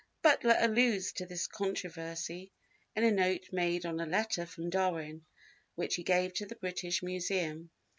Butler alludes to this controversy in a note made on a letter from Darwin which he gave to the British Museum.